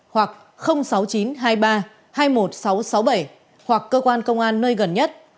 hoặc sáu mươi chín hai mươi ba hai mươi một nghìn sáu trăm sáu mươi bảy hoặc cơ quan công an nơi gần nhất